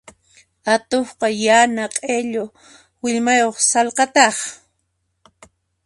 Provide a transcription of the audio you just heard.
Atuqqa yana q'illu willmayuq sallqataq.